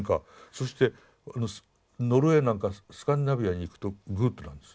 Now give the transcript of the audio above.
そしてノルウェーなんかスカンディナビアに行くと「グッド」なんです。